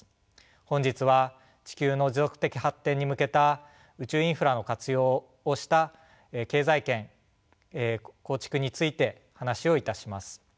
本日は地球の持続的発展に向けた宇宙インフラを活用をした経済圏構築について話をいたします。